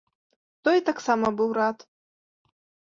Той таксама быў рад.